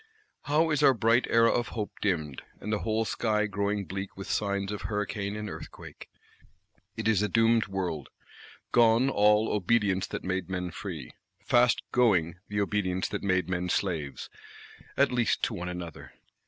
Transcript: How is our bright Era of Hope dimmed: and the whole sky growing bleak with signs of hurricane and earthquake! It is a doomed world: gone all "obedience that made men free;" fast going the obedience that made men slaves,—at least to one another.